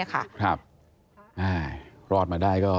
ครับรอดมาได้ก็